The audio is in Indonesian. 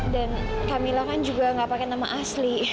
dan kamila kan juga nggak pakai nama asli